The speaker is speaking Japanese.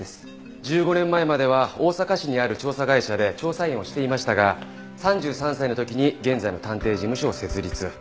１５年前までは大阪市にある調査会社で調査員をしていましたが３３歳の時に現在の探偵事務所を設立。